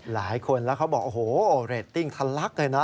หลายคนแล้วเขาบอกโอ้โหเรตติ้งทะลักเลยนะ